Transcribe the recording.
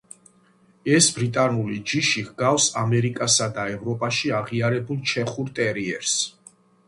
ეს ბრიტანული ჯიში ჰგავს ამერიკასა და ევროპაში აღიარებულ ჩეხურ ტერიერს.